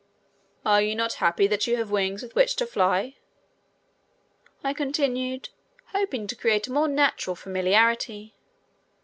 "Are you not happy that you have wings with which fly?" I continued, hoping to create a more natural familiarity.